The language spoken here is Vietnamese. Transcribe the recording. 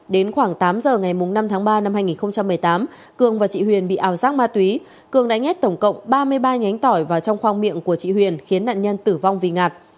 đến khoảng tám giờ ngày năm tháng ba năm hai nghìn một mươi tám cường và chị huyền bị ảo giác ma túy cường đã nhét tổng cộng ba mươi ba nhánh tỏi vào trong khoang miệng của chị huyền khiến nạn nhân tử vong vì ngạt